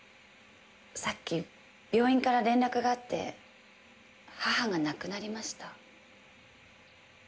さっき病院から連絡があって母が亡くなりました。